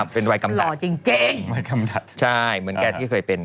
เชื่ออะไรกับหมอรักโอ๊ย